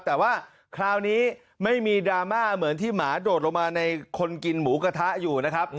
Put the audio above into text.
แต่ว่าคราวนี้ไม่มีดราม่าเหมือนที่หมาโดดลงมาในคนกินหมูกระทะอยู่นะครับ